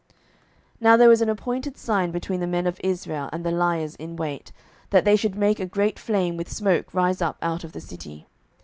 07:020:038 Now there was an appointed sign between the men of Israel and the liers in wait, that they should make a great flame with smoke rise up out of the city.